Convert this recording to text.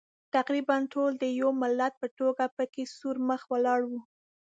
تقریباً ټول د یوه ملت په توګه پکې سور مخ ولاړ وو.